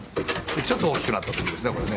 ちょっと大きくなった時ですね